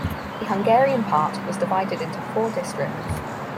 The Hungarian part was divided into four districts.